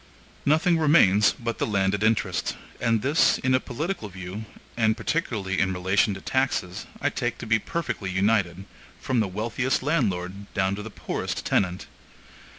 Nothing remains but the landed interest; and this, in a political view, and particularly in relation to taxes, I take to be perfectly united, from the wealthiest landlord down to the poorest tenant.